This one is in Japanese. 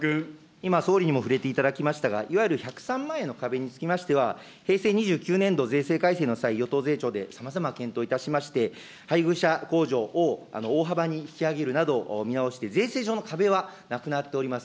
今総理にも触れていただきましたが、いわゆる１０３万円の壁につきましては、平成２９年度税制改正の際、与党税調でさまざま検討いたしまして、配偶者控除を大幅に引き上げるなど、見直して、税制上の壁はなくなっております。